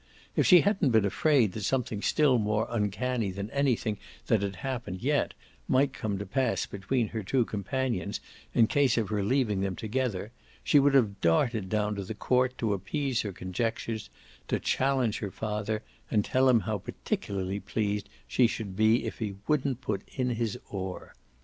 If she hadn't been afraid that something still more uncanny than anything that had happened yet might come to pass between her two companions in case of her leaving them together she would have darted down to the court to appease her conjectures, to challenge her father and tell him how particularly pleased she should be if he wouldn't put in his oar.